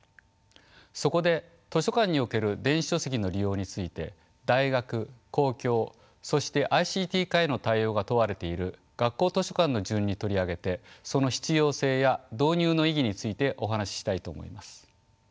そこで図書館における電子書籍の利用について大学公共そしてＩＣＴ化への対応が問われている学校図書館の順に取り上げてその必要性や導入の意義についてお話ししたいと思います。